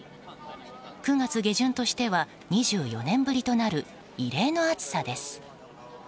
９月下旬としては２４年ぶりとなる異例の暑さです。